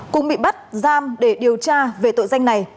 cũng bị bắt giam để điều tra về tội danh này